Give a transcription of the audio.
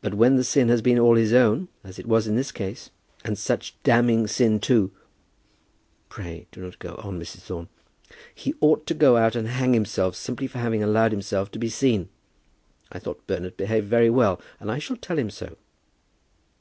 But when the sin has been all his own, as it was in this case, and such damning sin too, " "Pray do not go on, Mrs. Thorne." "He ought to go out and hang himself simply for having allowed himself to be seen. I thought Bernard behaved very well, and I shall tell him so."